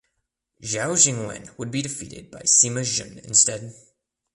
Xiao Jingwen would be defeated by Sima Xun instead.